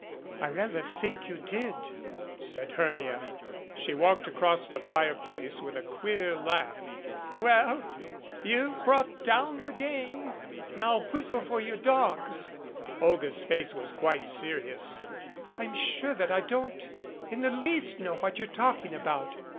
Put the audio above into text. "I rather think you did," said Hermia. She walked across to the fireplace with a queer laugh. "Well ! You've brought down the game. Now whistle for your dogs !" Olga's face was quite serious. "I'm sure that I don't in the least know what you're talking about.